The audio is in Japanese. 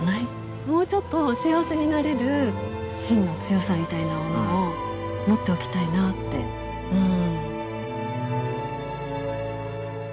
もうちょっと幸せになれるしんの強さみたいなものを持っておきたいなってうん。